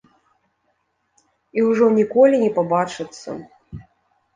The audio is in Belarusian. І ўжо ніколі не пабачацца.